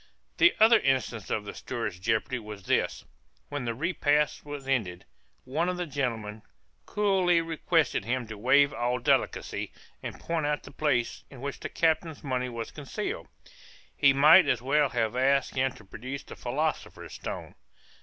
The other instance of the steward's jeopardy was this; when the repast was ended, one of the gentlemen coolly requested him to waive all delicacy, and point out the place in which the captain's money was concealed. He might as well have asked him to produce the philosopher's stone.